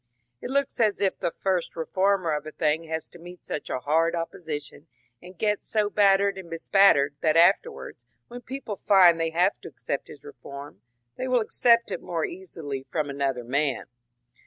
It looks as if the first reformer of a thing has to meet such a hard opposition and gets so battered and bespattered, that afterwards, when people find they have to accept his reform, they will accept it more easily from an other man."